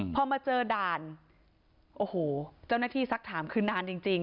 พอมาเจอด่านโอ้โหเจ้าหน้าที่สักถามคือนานจริง